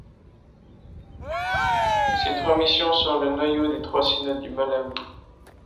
Ces trois missions sont le noyau des trois synodes du Malawi.